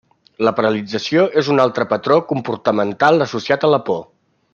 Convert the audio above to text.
La paralització és un altre patró comportamental associat a la por.